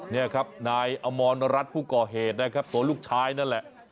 นี่ครับนายอมรรัฐผู้ก่อเหตุนะครับตัวลูกชายนั่นแหละ